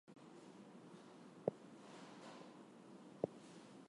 However, prices are known to drop near the end of the issue.